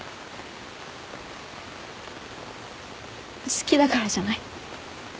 好きだからじゃない？